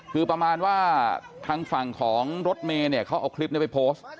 คือประมาณว่าทางฝั่งของรถเมย์เนี่ยเขาเอาคลิปนี้ไปโพสต์